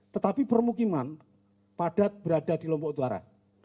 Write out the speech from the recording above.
tetapi permukiman padat berada di lombok utara